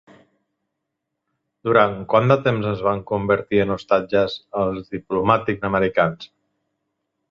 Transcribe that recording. Durant quant de temps es van convertir en ostatges els diplomàtics americans?